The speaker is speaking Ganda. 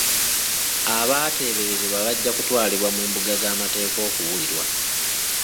Abateeberezebwa bajja kutwalibwa mu mbuga z'amateeka okuwulirwa.